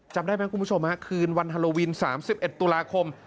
จำได้ไหมคุณผู้ชมฮะคืนวันฮาโลวิน๓๑ตุลาคม